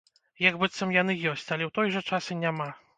Як быццам яны ёсць, але ў той жа час і няма.